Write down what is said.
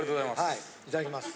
はいいただきます。